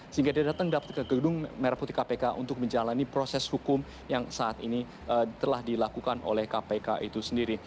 sehingga dia datang ke gedung merah putih kpk untuk menjalani proses hukum yang saat ini telah dilakukan oleh kpk itu sendiri